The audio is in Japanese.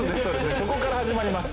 そこから始まります。